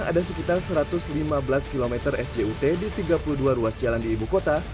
ada sekitar satu ratus lima belas km sjut di tiga puluh dua ruas jalan di ibu kota